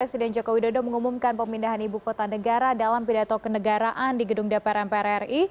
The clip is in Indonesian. presiden jokowi dodo mengumumkan pemindahan ibu kota negara dalam pidato kenegaraan di gedung dprm prri